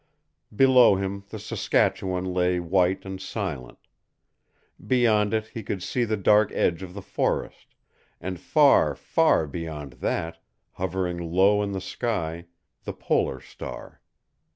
Below him the Saskatchewan lay white and silent; beyond it he could see the dark edge of the forest, and far, far, beyond that, hovering low in the sky, the polar star.